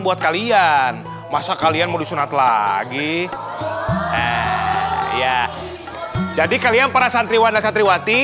buat kalian masa kalian mau disunat lagi ya jadi kalian para santriwani dan santriwati